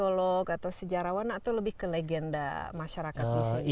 psikolog atau sejarawan atau lebih ke legenda masyarakat di sini